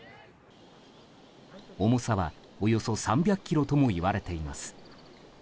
重さはおよそ３００ｋｇともいわれています。